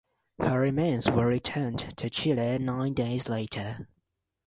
Her remains were returned to Chile nine days later.